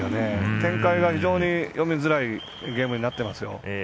展開が非常に読みづらいゲームになってますよ。